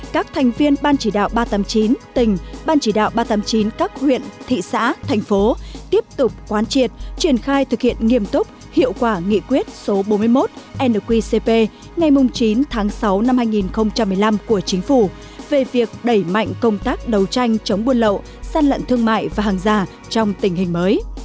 các thành viên ban chỉ đạo ba trăm tám mươi chín tỉnh ban chỉ đạo ba trăm tám mươi chín các huyện thị xã thành phố tiếp tục quan triệt triển khai thực hiện nghiêm túc hiệu quả nghị quyết số bốn mươi một nqcp ngày chín tháng sáu năm hai nghìn một mươi năm của chính phủ về việc đẩy mạnh công tác đấu tranh chống buôn lậu săn lận thương mại và hàng giả trong tình hình mới